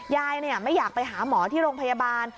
ยายไม่อยากไปหาหมอที่โรงพยาบาล